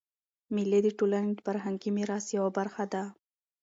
مېلې د ټولني د فرهنګي میراث یوه برخه ده.